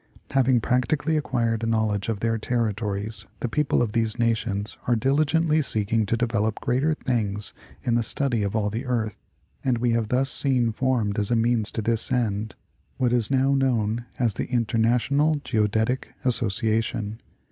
Having practically acquired a knowledge of their territories, the people of these nations are diligently seeking to develop greater things in the study of all the earth, and we have thus seen formed as a means to this end, what is now known as the International Geodetic Association.